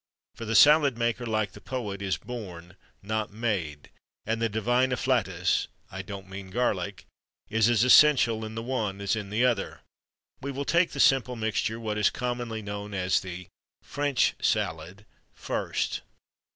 For the salad maker, like the poet, is born, not made; and the divine afflatus I don't mean garlic is as essential in the one as in the other. We will take the simple mixture, what is commonly known as the French Salad, first.